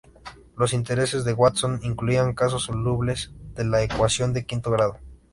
Los intereses de Watson incluían casos solubles de la ecuación de quinto grado.